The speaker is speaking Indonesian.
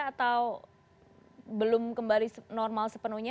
atau belum kembali normal sepenuhnya